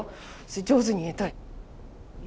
上手に言えた。